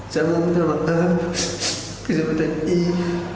saya menyesal atas keputusan saya